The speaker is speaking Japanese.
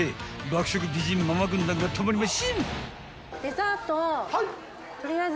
爆食美人ママ軍団が止まりましぇん！］